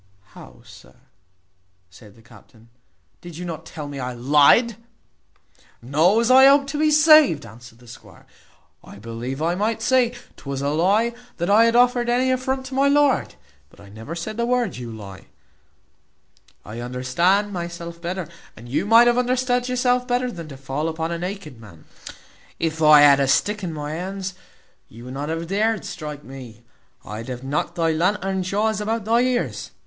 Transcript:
"How, sir," said the captain, "did you not tell me I lyed?" "No, as I hope to be saved," answered the squire, " I believe I might say, 'Twas a lie that I had offered any affront to my lord but I never said the word, `you lie.' I understand myself better, and you might have understood yourself better than to fall upon a naked man. If I had a stick in my hand, you would not have dared strike me. I'd have knocked thy lantern jaws about thy ears.